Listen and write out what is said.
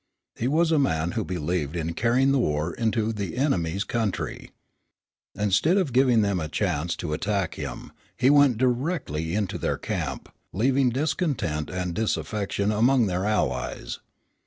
He was a man who believed in carrying the war into the enemy's country. Instead of giving them a chance to attack him, he went directly into their camp, leaving discontent and disaffection among their allies.